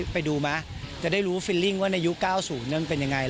ไปดูมั้ยจะได้รู้ฟิลลิ่งว่าในยุค๙๐นั้นเป็นยังไง